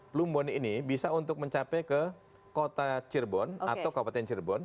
plumbon ini bisa untuk mencapai ke kota cirebon atau kabupaten cirebon